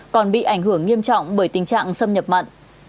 còn bị ảnh hưởng nghiêm trọng bởi tình trạng xâm nhập mặn